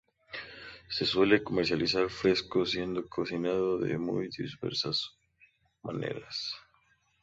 Se suele comercializar fresco, siendo cocinado de muy diversas maneras.